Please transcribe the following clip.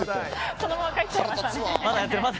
そのまま帰っちゃった。